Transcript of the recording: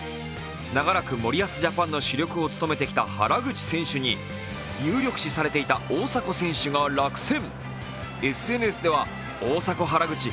長らく森保ジャパンの主力を務めてきた原口選手に有力視されていた大迫選手が落選。